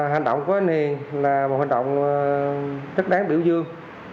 hành động của anh hiền là một hành động rất đáng biểu dương